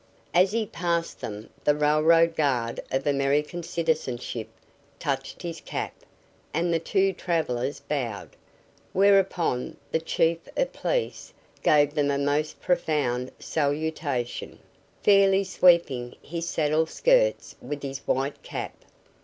As he passed them the railroad guard of American citizenship touched his cap and the two travelers bowed, whereupon the chief of police gave them a most profound salutation, fairly sweeping his saddleskirts with his white cap.